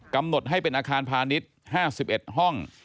กำหนดให้เป็นอาคารพาณิชย์๕๑ห้อง